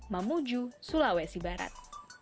mamuju sulawesi barat